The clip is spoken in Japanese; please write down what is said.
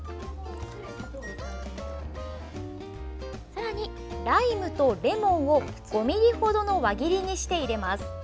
さらに、ライムとレモンを５ｍｍほどの輪切りにして入れます。